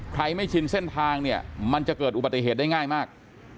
ไม่ชินเส้นทางเนี่ยมันจะเกิดอุบัติเหตุได้ง่ายมาก